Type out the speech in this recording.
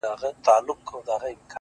چي ورته سر ټيټ كړمه ـ وژاړمه ـ